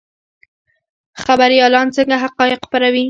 خبریالان څنګه حقایق خپروي؟